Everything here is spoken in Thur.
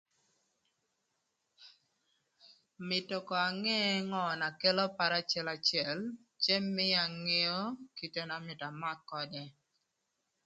Mïtö ko ange ngö na kelo para acëlacël cë mïa angeo kite na mïtö amak ködë.